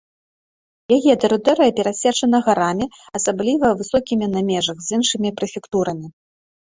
Яе тэрыторыя перасечана горамі, асабліва высокімі на межах з іншымі прэфектурамі.